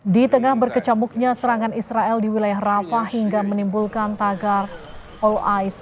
di tengah berkecamuknya serangan israel di wilayah rafa hingga menimbulkan tagar all ice